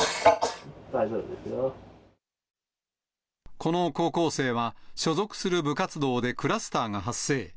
この高校生は、所属する部活動でクラスターが発生。